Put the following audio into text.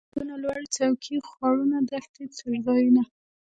غرونه ،سيندونه ،لوړې څوکي ،خوړونه ،دښتې ،څړ ځايونه